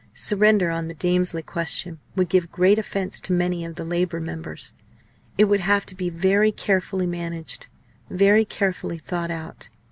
Surrender on the Damesley question would give great offence to many of the Labour members. It would have to be very carefully managed very carefully thought out.